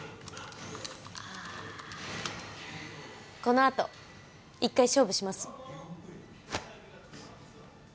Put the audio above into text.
ああこのあと１回勝負します？